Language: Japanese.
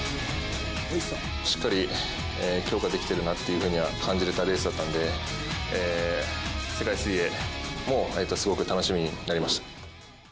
しっかり強化できているなというふうには感じられたレースだったので世界水泳すごく楽しみになりました。